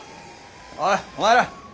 おいお前ら。